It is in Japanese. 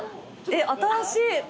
新しい。